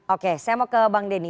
oke saya mau ke bang denny